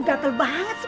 lucu banget ini